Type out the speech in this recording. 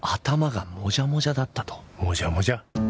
もじゃもじゃ？